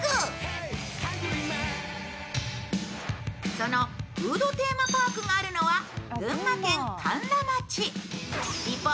そのフードテーマパークがあるのは群馬県甘楽町。